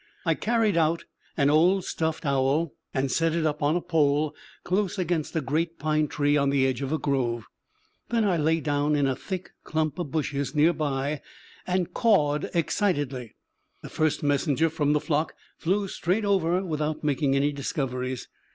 I carried out an old stuffed owl, and set it up on a pole close against a great pine tree on the edge of a grove. Then I lay down in a thick clump of bushes near by and cawed excitedly. The first messenger from the flock flew straight over without making any discoveries.